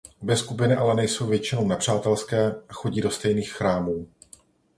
Obě skupiny ale nejsou většinou nepřátelské a chodí do stejných chrámů.